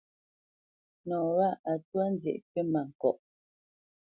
Nɔ wâ a twá nzyə̌ʼ kywítmâŋkɔʼ.